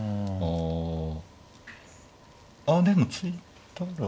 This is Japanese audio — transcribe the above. ああでも突いたら。